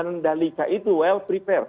mandalika itu well prepared